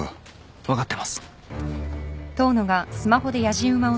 分かってます。